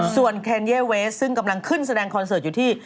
ส่วนแคนเย่เวสซึ่งกำลังขึ้นแสดงคอนเสิร์ตอยู่ที่